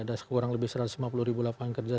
ada kurang lebih satu ratus lima puluh ribu lapangan kerja